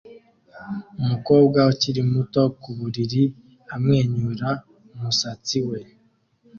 Umukobwa ukiri muto ku buriri amwenyura umusatsi we